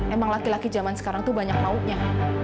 emang laki laki zaman sekarang tuh banyak maunya